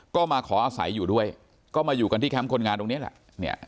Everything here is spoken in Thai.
ก็มาขออาศัยอยู่ด้วยก็มาอยู่กันที่แคมป์คนงานตรงนี้แหละ